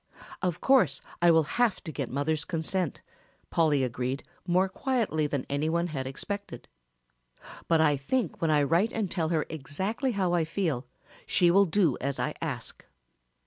"Of course I will have to get mother's consent," Polly agreed more quietly than any one had expected, "but I think when I write and tell her exactly how I feel she will do as I ask."